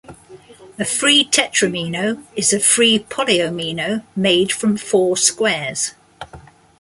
A free tetromino is a free polyomino made from four squares.